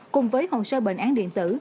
cùng với hồ sơ bệnh án điện tử